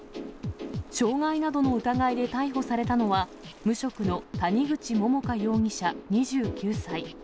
傷害などの疑いで逮捕されたのは、無職の谷口桃花容疑者２９歳。